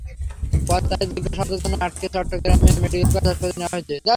পরে তাঁদের জিজ্ঞাসাবাদের জন্য আটক করে চট্টগ্রাম মেডিকেল কলেজ হাসপাতালে নেওয়া হয়েছে।